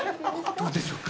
どうでしょうか？